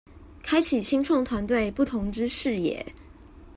開啟新創團隊不同之視野